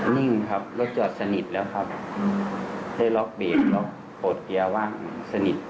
นิ่งครับรถจอดสนิทแล้วครับได้ล็อกเบรกล็อกโปรดเกียร์ว่างสนิท